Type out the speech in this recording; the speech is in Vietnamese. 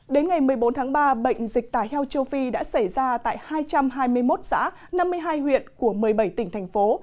đến ngày một mươi bốn tháng ba bệnh dịch tả heo châu phi đã xảy ra tại hai trăm hai mươi một xã năm mươi hai huyện của một mươi bảy tỉnh thành phố